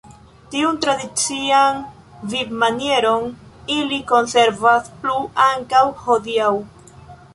Tiun tradician vivmanieron ili konservas plu ankaŭ hodiaŭ.